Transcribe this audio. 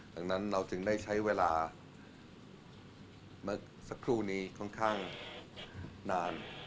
ดังนั้นเราจึงได้ใช้เวลาเมื่อสักครู่นี้ค่อนข้างนาน